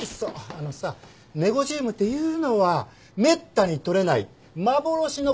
あのさネゴジウムっていうのはめったに採れない幻の鉱石っていわれてるの。